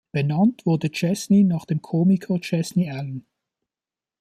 Benannt wurde Chesney nach dem Komiker Chesney Allen.